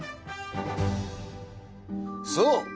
そう！